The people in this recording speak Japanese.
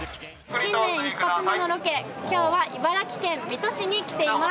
新年１発目のロケ、きょうは茨城県水戸市に来ています。